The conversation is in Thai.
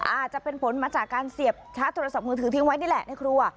อาจจะเป็นผลมาจากการเสียบชาร์จโทรศัพท์มือถือทิ้งไว้นี่แหละในครัว